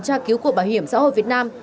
tra cứu của bảo hiểm xã hội việt nam